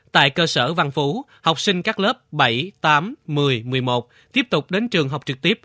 tại cơ sở văn phú học sinh các lớp bảy tám một mươi một mươi một tiếp tục đến trường học trực tiếp